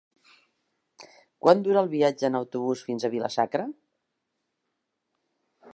Quant dura el viatge en autobús fins a Vila-sacra?